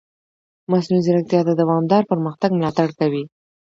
مصنوعي ځیرکتیا د دوامدار پرمختګ ملاتړ کوي.